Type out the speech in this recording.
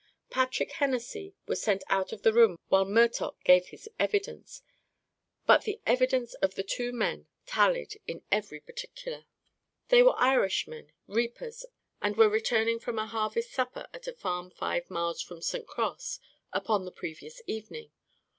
Patrick Hennessy was sent out of the room while Murtock gave his evidence; but the evidence of the two men tallied in every particular. They were Irishmen, reapers, and were returning from a harvest supper at a farm five miles from St. Cross, upon the previous evening.